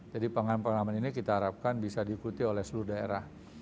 jadi pengalaman pengalaman ini kita harapkan bisa diikuti oleh seluruh daerah